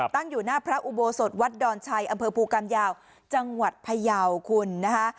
ตั้งอยู่หน้าพระอุโบสถวัดดอนชัยอำเภอภูกรรมยาวจังหวัดพยาวคุณนะคะ